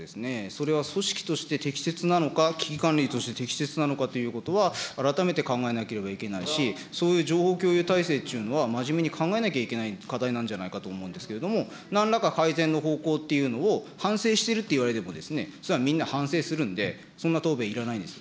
それは組織として適切なのか、危機管理として適切なのかということは、改めて考えなければいけないし、そういう情報共有体制っていうのは真面目に考えなきゃいけない課題なんじゃないかと思うんですけれども、なんらか、改善の方向っていうのを反省してるって言われても、それはみんな反省するんで、そんな答弁いらないんです。